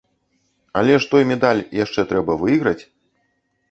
Але ж той медаль яшчэ трэба выйграць!